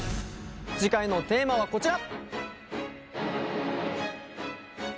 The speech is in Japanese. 次回のテーマはこちら！